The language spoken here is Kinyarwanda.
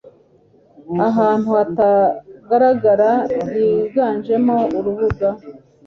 ahantu hatagaragara yiganjemo urubuga